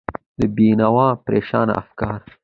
د بېنوا پرېشانه افکار